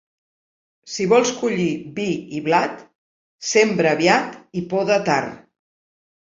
Si vols collir vi i blat, sembra aviat i poda tard.